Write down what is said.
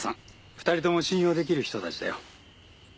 ２人とも信用できる人たちだよ。